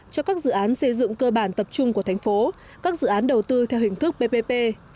cho các dự án xây dựng cơ bản tập trung của thành phố các dự án đầu tư theo hình thức ppp